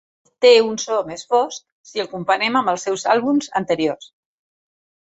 Té un so més fosc si el comparem amb els seus àlbums anteriors.